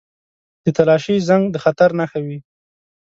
• د تالاشۍ زنګ د خطر نښه وي.